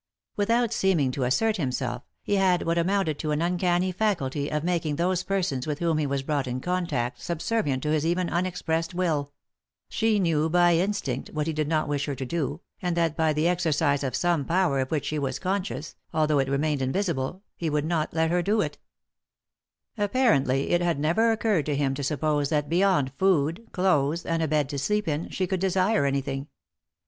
With out seeming to assert himself, he had what amounted to an uncanny faculty of making those persons with whom he was brought in contact subservient to his even unexpressed will ; she knew by instinct what he did not wish her to do, and that by the exercise of some power of which she was conscious, although it remained invisible, he would not let her do it Apparently it had never occurred to him to suppose that beyond food, clothes, and a bed to sleep in, she could desire anything.